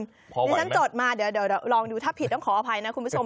ดิฉันจดมาเดี๋ยวลองดูถ้าผิดต้องขออภัยนะคุณผู้ชม